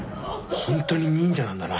ホントに忍者なんだな。